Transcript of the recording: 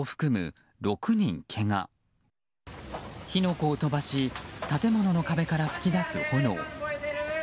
火の粉を飛ばし建物の壁から噴き出す炎。